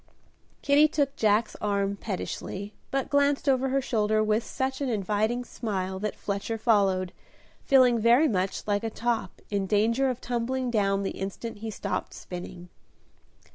Kitty took Jack's arm pettishly, but glanced over her shoulder with such an inviting smile that Fletcher followed, feeling very much like a top, in danger of tumbling down the instant he stopped spinning.